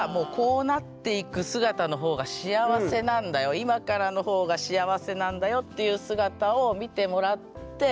僕は今からのほうが幸せなんだよっていう姿を見てもらって。